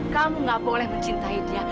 kamu gak boleh mencintai dia